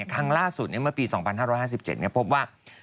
ครั้งล่าสุดเมื่อปี๒๕๕๗พบว่า